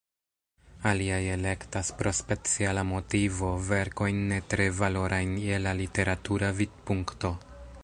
Aliaj elektas pro speciala motivo verkojn ne tre valorajn je la literatura vidpunkto.